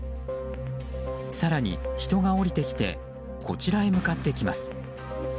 更に、人が降りてきてこちらに向かってきます。